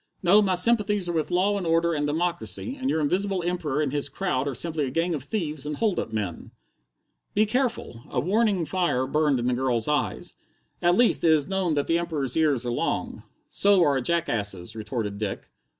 "No, my sympathies are with law and order and democracy, and your Invisible Emperor and his crowd are simply a gang of thieves and hold up men." "Be careful!" A warning fire burned in the girl's eyes. "At least, it is known that the Emperor's ears are long." "So are a jackass's," retorted Dick.